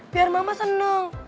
biar mama seneng